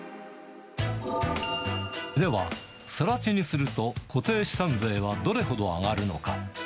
では、さら地にすると、固定資産税はどれほど上がるのか。